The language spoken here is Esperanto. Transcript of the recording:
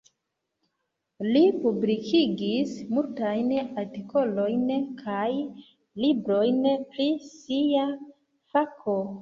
Li publikigis multajn artikolojn kaj librojn pri sia fako.